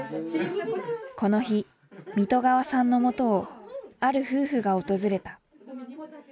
この日水戸川さんのもとをある夫婦が訪れた。